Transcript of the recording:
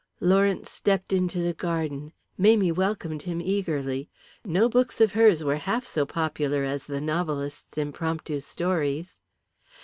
Lawrence stepped into the garden, Mamie welcomed him eagerly. No books of hers were half so popular as the novelist's impromptu stories.